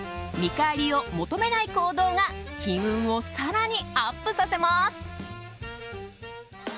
見返りを求めない行動が金運を更にアップさせます。